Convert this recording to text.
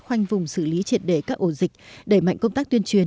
khoanh vùng xử lý triệt đề các ổ dịch đẩy mạnh công tác tuyên truyền